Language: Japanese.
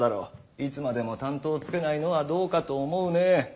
いつまでも担当をつけないのはどうかと思うね。